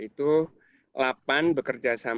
dan tujuan utamanya adalah pengembangan observatorium